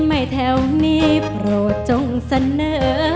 ถ้ามียกมือหน่อยชูนิ้วก้อยกับนิ้วเฉเป็นสัญญาลักษณ์ว่ารักเยาใจดี